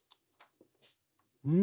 うん。